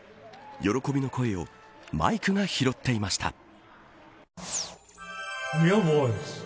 喜びの声をマイクが拾っていました。